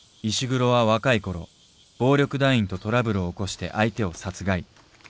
石黒は若い頃暴力団員とトラブルを起こして相手を殺害。